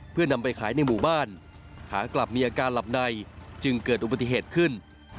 เพื่อนำไปขายในหมู่บ้านขากลับมีอาการหลับในจึงเกิดอุบัติเหตุขึ้น